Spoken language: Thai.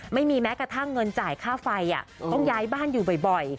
ไม่มีแม้กระทั่งเงินจ่ายค่าไฟต้องย้ายบ้านอยู่บ่อย